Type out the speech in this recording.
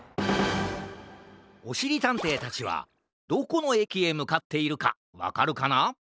おしりたんていたちはどこのえきへむかっているかわかるかな？